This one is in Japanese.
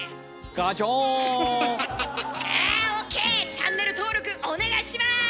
チャンネル登録お願いします！